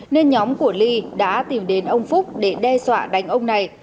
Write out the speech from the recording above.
nên nhóm của ly đã tìm đến ông phúc để đe dọa đánh ông này